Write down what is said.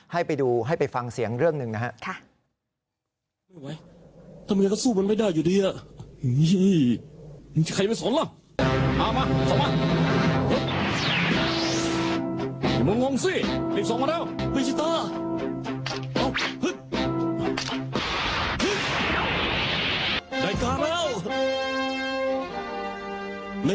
ให้ไปดูให้ไปฟังเสียงเรื่องหนึ่งนะครับ